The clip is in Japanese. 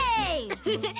フフフッ！